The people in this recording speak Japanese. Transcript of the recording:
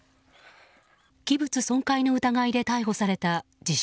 器物損壊の疑いで逮捕された自称